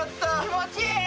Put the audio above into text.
気持ちいい。